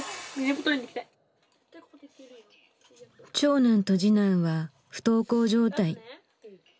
長男と次男は不登校状態。